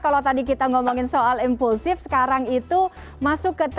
karena kalau tadi kita ngomongin soal impulsif sekarang itu masuk ke dalam pandemi